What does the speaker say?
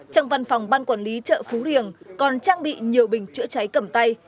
trong văn phòng ban quản lý chợ phú riêng còn trang bị nhiều bình chữa cháy cầm tay